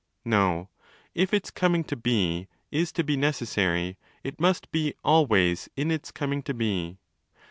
No: if its coming to be is to be 35 'necessary ', it must be 'always' in its coming to be.